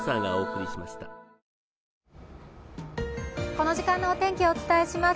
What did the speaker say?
この時間のお天気をお伝えします。